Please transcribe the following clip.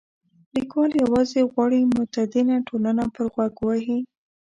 لیکوال یوازې غواړي متدینه ټولنه پر غوږ ووهي.